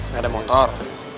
gak ada motor